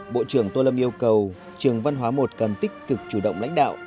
bộ trưởng tô lâm yêu cầu trường văn hóa một cần tích cực chủ động lãnh đạo